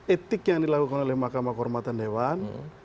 etik yang dilakukan oleh mahkamah kehormatan dewan